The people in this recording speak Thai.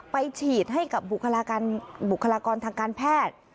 ฉีดให้กับบุคลากรทางการแพทย์